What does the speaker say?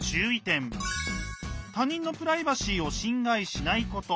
他人のプライバシーを侵害しないこと。